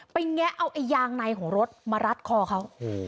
แงะเอาไอ้ยางในของรถมารัดคอเขา